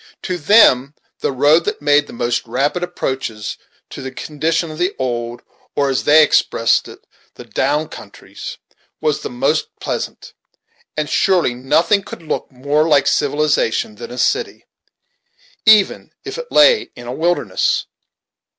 To them the road that made the most rapid approaches to the condition of the old, or, as they expressed it, the down countries, was the most pleasant; and surely nothing could look more like civilization than a city, even if it lay in a wilderness!